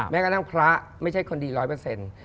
แม้กระทั่งพระไม่ใช่คนดีร้อยเปอร์เซ็นต์